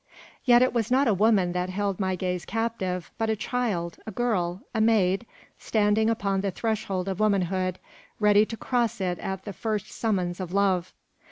Yet it was not a woman that held my gaze captive, but a child a girl a maid standing upon the threshold of womanhood, ready to cross it at the first summons of Love!